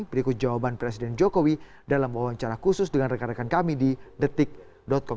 berikut jawaban presiden jokowi dalam wawancara khusus dengan rekan rekan kami di detik com